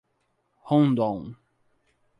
Rondon